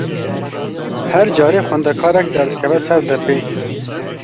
Her carê xwendekarek derdikeve ser depê.